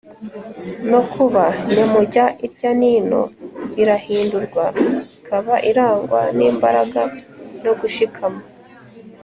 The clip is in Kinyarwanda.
no kuba nyamujya irya n’ino irahindurwa ikaba irangwa n’imbaraga no gushikama